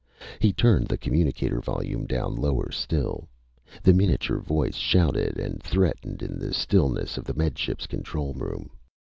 He turned the communicator volume down still lower. The miniature voice shouted and threatened in the stillness of the Med Ship's control room.